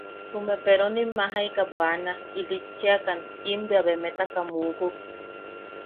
Jume peronim majaika bwana, ilitchiakan, im bea beemetaka mukuk.